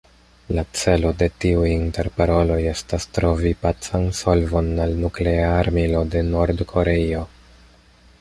La celo de tiuj interparoloj estas trovi pacan solvon al Nuklea Armilo de Nord-Koreio.